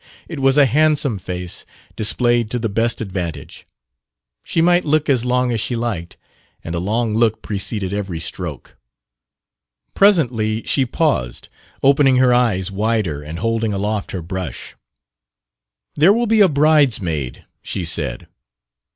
It was a handsome face, displayed to the best advantage. She might look as long as she liked, and a long look preceded every stroke. Presently she paused, opening her eyes wider and holding aloft her brush. "There will be a bride's maid," she said.